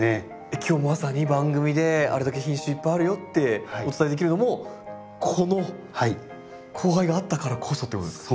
今日まさに番組であれだけ品種いっぱいあるよってお伝えできるのもこの交配があったからこそってことですか？